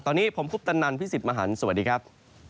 ตอนนี้ผมคุปตนันพี่สิทธิ์มหันฯสวัสดีครับ